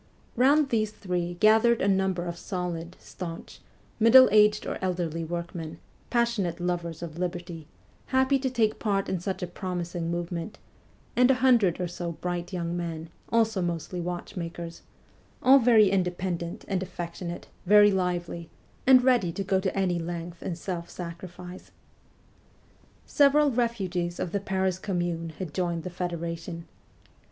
Bound these three gathered a number of solid, staunch, middle aged or elderly workmen, passionate lovers of liberty, happy to take part in such a promising movement, and a hundred or so bright young men, also mostly watchmakers all very independent and affec tionate, very lively, and ready to go to any length in self sacrifice. Several refugees of the Paris Commune had joined the federation.